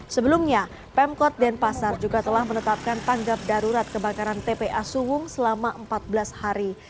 sebelumnya pemkot denpasar juga telah menetapkan tanggap darurat kebakaran tpa suwung selama empat belas hari